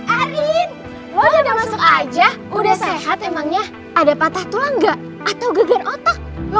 arin udah masuk aja udah sehat emangnya ada patah tulang gak atau geger otak lo